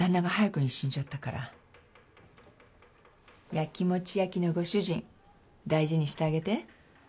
ヤキモチ焼きのご主人大事にしてあげて。